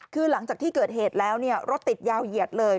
คือหลังจากที่เกิดเหตุแล้วรถติดยาวเหยียดเลย